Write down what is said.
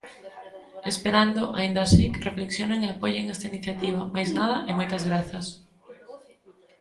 Esperando, aínda así, que reflexionen e apoien esta iniciativa, máis nada e moitas grazas.